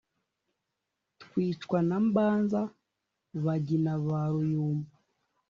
twicwa na mbanza-bagina ba ruyumbu,